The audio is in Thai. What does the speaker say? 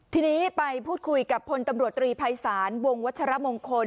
ทีนี้ไปพูดคุยกับพลตำรวจตรีภัยศาลวงวัชรมงคล